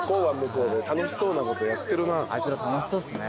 あいつら楽しそうっすね。